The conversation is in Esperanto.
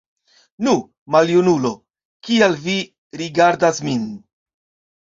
Nu, maljunulo, kial vi rigardas min?